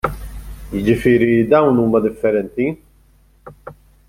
Jiġifieri dawn huma differenti?